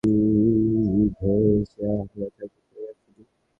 বাংলাদেশের বিপক্ষে অতিমানবীয় ইনিংসটা খেলার সময় নিতম্বের ব্যথায় আক্রান্ত হয়েছিলেন আফ্রিদি।